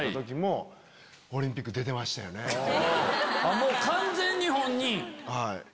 もう完全に本人。